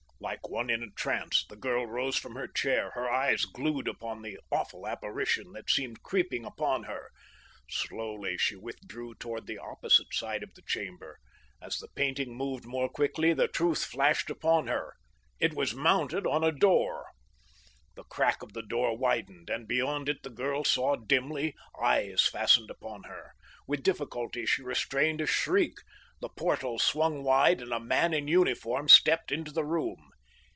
Like one in a trance the girl rose from her chair, her eyes glued upon the awful apparition that seemed creeping upon her. Slowly she withdrew toward the opposite side of the chamber. As the painting moved more quickly the truth flashed upon her—it was mounted on a door. The crack of the door widened and beyond it the girl saw dimly, eyes fastened upon her. With difficulty she restrained a shriek. The portal swung wide and a man in uniform stepped into the room.